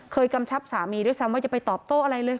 กำชับสามีด้วยซ้ำว่าอย่าไปตอบโต้อะไรเลย